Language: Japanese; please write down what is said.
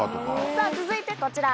さぁ続いてこちら。